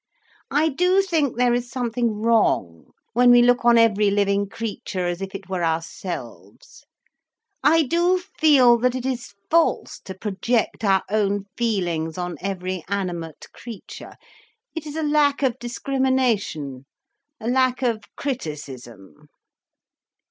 I do think there is something wrong, when we look on every living creature as if it were ourselves. I do feel, that it is false to project our own feelings on every animate creature. It is a lack of discrimination, a lack of criticism."